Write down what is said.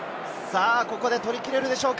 ここで取り切れるでしょうか？